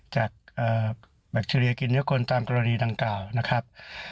จากแบคทีเรียกินเนื้อกลตามกรณีดังกล่าวนะครับ